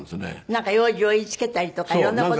なんか用事を言いつけたりとか色んな事。